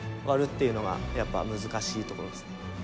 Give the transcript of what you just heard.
割るっていうのがやっぱ難しいところですね。